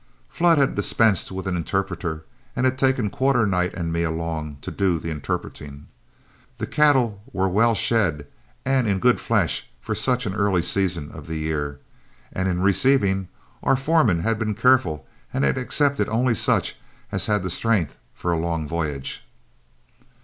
Flood had dispensed with an interpreter and had taken Quarternight and me along to do the interpreting. The cattle were well shed and in good flesh for such an early season of the year, and in receiving, our foreman had been careful and had accepted only such as had strength for a long voyage.